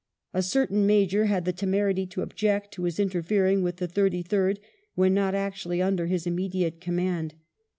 A certain major had the temerity to object to his interfering with the Thirty third when not actually under his immediate command.